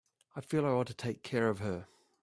I feel I ought to take care of her.